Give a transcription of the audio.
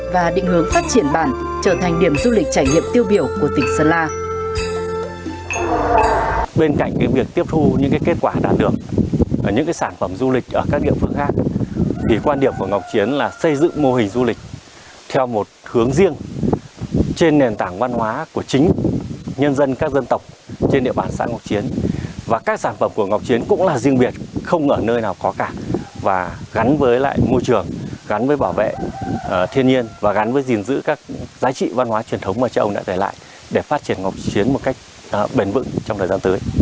và định hướng phát triển bản trở thành điểm du lịch trải nghiệm tiêu biểu của tỉnh sơn la